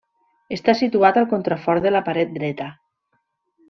Està situat al contrafort de la paret dreta.